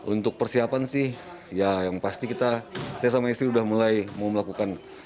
untuk persiapan sih ya yang pasti kita saya sama istri udah mulai mau melakukan